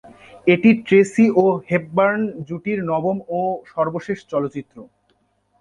এটি ট্রেসি ও হেপবার্ন জুটির নবম ও সর্বশেষ চলচ্চিত্র।